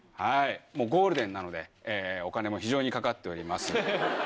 もうゴールデンなのでお金も非常にかかっております。